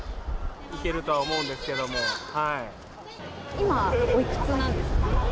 今、おいくつなんですか？